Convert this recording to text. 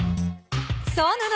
そうなの。